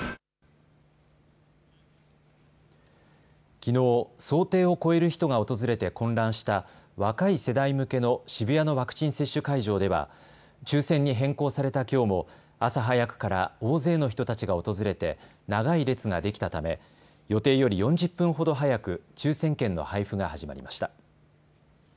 きのう、想定を超える人が訪れて混乱した若い世代向けの渋谷のワクチン接種会場では抽せんに変更されたきょうも朝早くから大勢の人たちが訪れて長い列ができたため予定より４０分ほど早く抽せん券の配布が始まりました。